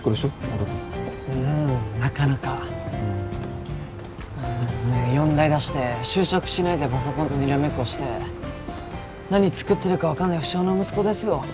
音くんうんなかなか四大出して就職しないでパソコンとにらめっこして何作ってるか分かんない不肖の息子ですよ